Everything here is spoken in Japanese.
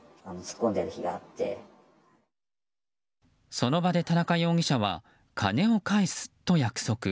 その場で田中容疑者は金を返すと約束。